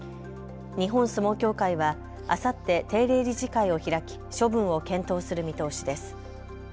日本相撲協会はあさって定例理事会を開き処分を検討する見通しです。